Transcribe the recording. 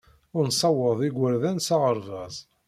Ur nessawaḍ igerdan s aɣerbaz.